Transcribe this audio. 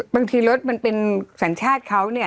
บางทีรถมันเป็นสัญชาติเขาเนี่ย